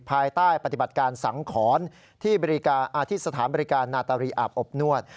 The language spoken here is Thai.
ภายใต้ปฏิบัติการสังขรที่สถานบริการนาตารีอาบอบนวด